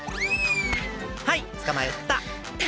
はいつかまえた。